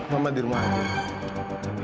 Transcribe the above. mama di rumah aku